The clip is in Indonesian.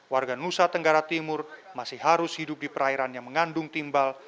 warga nusa tenggara timur masih harus hidup di perairan yang mengandung timbal